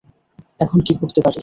এখন কি করতে পারি।